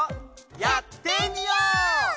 やってみよう！